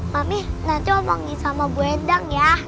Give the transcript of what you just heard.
mami nanti aku panggil sama bu hendang ya